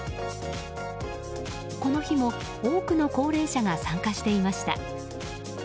この日も、多くの高齢者が参加していました。